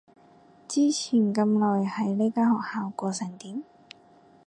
之前咁耐喺呢間學校過成點？